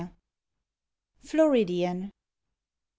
FLORIDIAN. I.